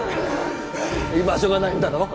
居場所がないんだろ？